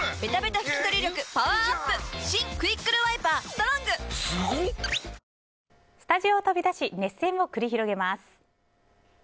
トーンアップ出たスタジオを飛び出し熱戦を繰り広げます。